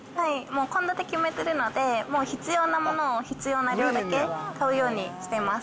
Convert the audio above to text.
献立決めてるので、もう必要なものを必要な量だけ買うようにしています。